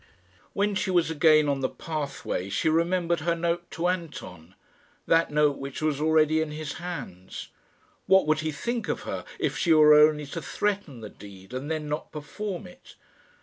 When she was again on the pathway she remembered her note to Anton that note which was already in his hands. What would he think of her if she were only to threaten the deed, and then not perform it?